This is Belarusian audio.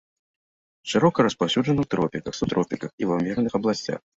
Шырока распаўсюджана ў тропіках, субтропіках і ва ўмераных абласцях.